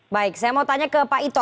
baik saya mau tanya ke pak ito